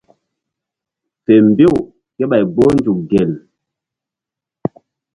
Fe mbew kéɓay gboh nzuk gel.